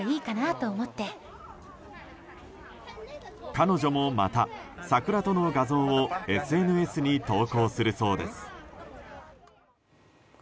彼女もまた、桜との画像をＳＮＳに投稿するそうです。